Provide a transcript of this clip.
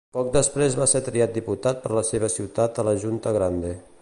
Poc després va ser triat diputat per la seva ciutat a la Junta Grande.